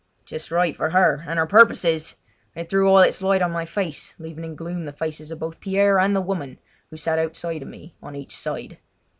Just right for her and her purposes! It threw all its light on my face, leaving in gloom the faces of both Pierre and the woman, who sat outside of me on each side.